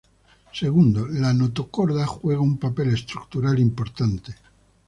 Segundo, la notocorda juega un papel estructural importante.